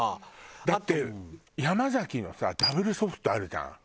だってヤマザキのさダブルソフトあるじゃん。